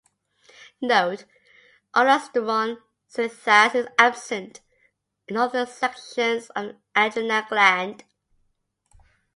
Note: aldosterone synthase is absent in other sections of the adrenal gland.